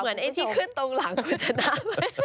เสมอว่าไอ้ที่ขึ้นตรงหลังไม่เชียว